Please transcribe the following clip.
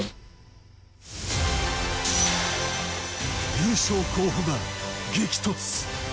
優勝候補が激突。